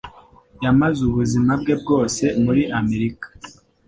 yamaze ubuzima bwe bwose muri Amerika.